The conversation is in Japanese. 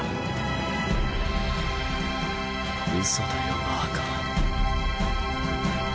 うそだよバーカ。